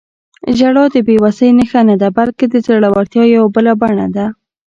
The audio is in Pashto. • ژړا د بې وسۍ نښه نه ده، بلکې د زړورتیا یوه بله بڼه ده.